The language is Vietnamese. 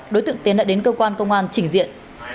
đối tượng tiến đã đến cơ quan công an trình diện